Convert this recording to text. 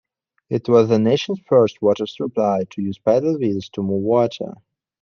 It was the nation's first water supply to use paddle wheels to move water.